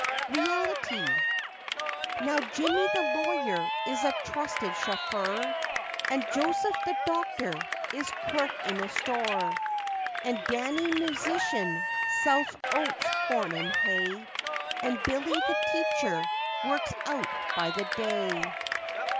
REALITY Now Jimmy the "lawyer" is a trusted chauffeur, And Joseph the "doctor" is clerk in a store, And Danny, "musician," sells oats, corn and hay, And Billy, the "teacher" works out by the day.